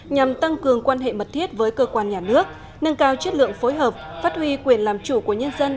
nhằm tăng cường quan hệ mật thiết với cơ quan nhà nước nâng cao chất lượng phối hợp phát huy quyền làm chủ của nhân dân